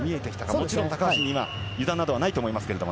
もちろん高橋の油断などないと思います。